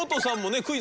クイズ